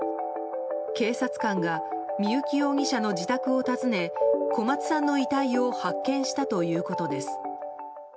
警察官が三幸容疑者の自宅を訪ね小松さんの遺体を発見したということです。